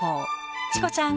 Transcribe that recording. チコちゃん